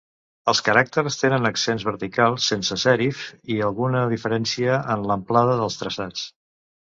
Els caràcters tenen accents verticals sense serifs i alguna diferència en l'amplada dels traçats.